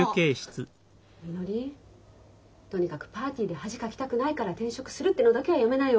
みのりとにかくパーティーで恥かきたくないから転職するってのだけはやめなよ。